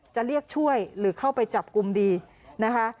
จะเรียกช่วยหรือเข้าไปจับกลุ่มดีนะคะ